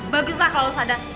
baguslah kalau sadar